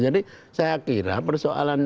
jadi saya kira persoalan